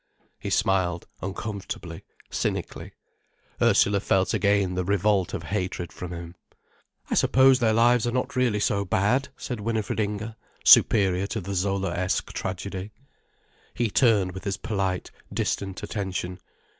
He smiled, uncomfortably, cynically. Ursula felt again the revolt of hatred from him. "I suppose their lives are not really so bad," said Winifred Inger, superior to the Zolaesque tragedy. He turned with his polite, distant attention.